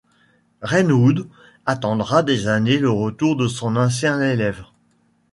Renwood attendra des années le retour de son ancien élève.